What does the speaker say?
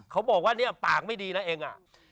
เขาบอกว่าเนี่ยปากไม่ดีนะเองอ่ะ